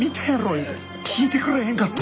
言うて聞いてくれへんかった。